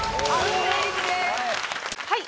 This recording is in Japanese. はい。